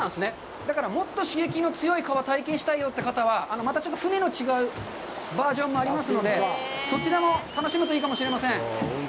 もっと刺激の強い川を体験したい方はまたちょっと船の違うバージョンもありますので、そちらを楽しむといいかもしれません。